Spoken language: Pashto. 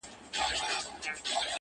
o مور مي خپه ده ها ده ژاړي راته.